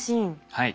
はい。